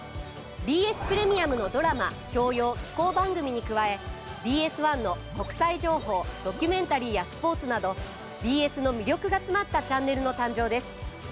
ＢＳプレミアムのドラマ教養紀行番組に加えＢＳ１の国際情報ドキュメンタリーやスポーツなどＢＳの魅力が詰まったチャンネルの誕生です。